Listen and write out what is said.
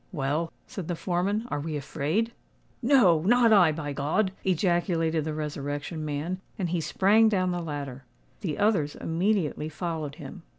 "Well," said the foreman, "are we afraid?" "No—not I, by God!" ejaculated the Resurrection Man; and he sprang down the ladder. The others immediately followed him.